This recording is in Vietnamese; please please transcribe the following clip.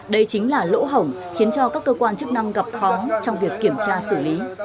đây chính là lỗ hổng khiến cho các cơ quan chức năng gặp khó trong việc kiểm tra xử lý